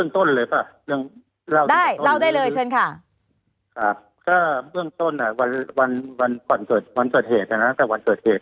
ก็จากเรื่องต้นเลยปะ